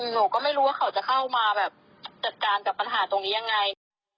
หนูก็ไม่รู้ว่าเขาจะเข้ามาแบบจัดการกับปัญหาตรงนี้ยังไง